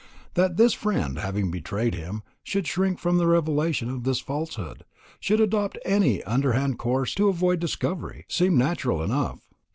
That his friend, having betrayed him, should shrink from the revelation of his falsehood, should adopt any underhand course to avoid discovery, seemed natural enough.